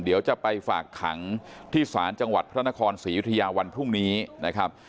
เดี๋ยวจะไปฝากขังที่ศาลจังหวัดพระนครศรียุธยาวันพรุ่งนี้นะครับ